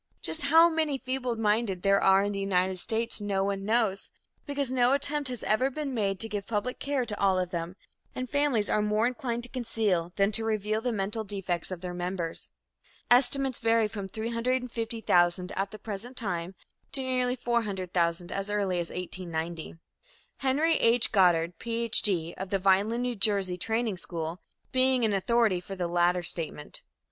Just how many feebleminded there are in the United States, no one knows, because no attempt has ever been made to give public care to all of them, and families are more inclined to conceal than to reveal the mental defects of their members. Estimates vary from 350,000 at the present time to nearly 400,000 as early as 1890, Henry H. Goddard, Ph. D., of the Vineland, N. J., Training School, being authority for the latter statement.